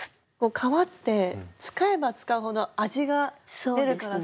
革って使えば使うほど味が出るからすてきですよね。